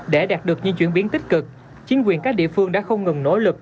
để đạt được những chuyển biến tích cực chính quyền các địa phương đã không ngừng nỗ lực